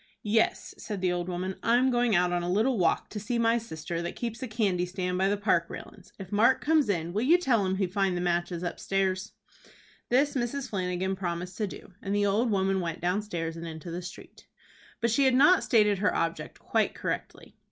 "Yes," said the old woman; "I'm goin' out on a little walk, to see my sister that keeps a candy stand by the Park railins. If Mark comes in, will you tell him he'll find the matches upstairs?" This Mrs. Flanagan promised to do, and the old woman went downstairs, and into the street. But she had not stated her object quite correctly.